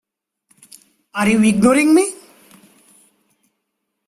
Are you ignoring me?